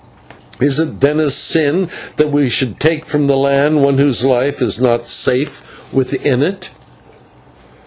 Is it, then, a sin that we should take from the land one whose life is not safe within it."